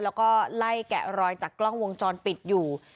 แล้วก็ไล่แกะรอยจากกล้องวงจรปิดอยู่